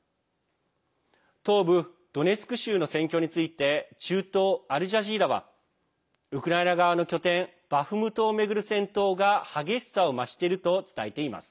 東部ドネツク州の戦況について中東アルジャジーラはウクライナ側の拠点バフムトを巡る戦闘が激しさを増していると伝えています。